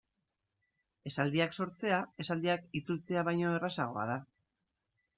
Esaldiak sortzea esaldiak itzultzea baino errazagoa da.